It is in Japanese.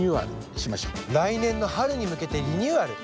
来年の春に向けてリニューアル？